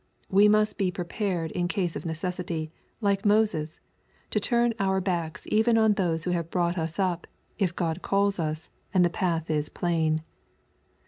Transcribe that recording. We must be prepared ia case of necessity, like MoseS; to turn our backs even on those who have brought us up^ if God calls us^ and the path is plain.